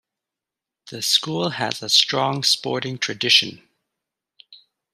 The school has a strong sporting tradition.